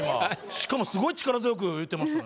しかもすごい力強く言ってましたね。